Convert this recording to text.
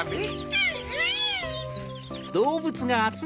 アンアン！